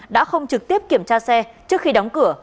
đã không trực tiếp kiểm tra xe trước khi đóng cửa